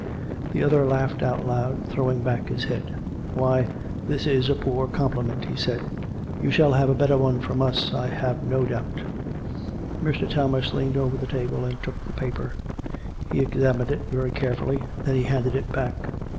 The other laughed out loud, throwing back his head, " Why, that is a poor compliment !" he said. " You shall have a better one from us, I have no doubt." Mr. Thomas leaned over the table and took the paper. He examined it very carefully; then he handed it back.